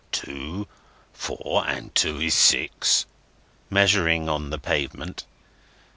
Two; four; and two is six," measuring on the pavement.